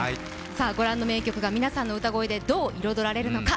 御覧の名曲が皆さんの歌声でどう彩られるのか。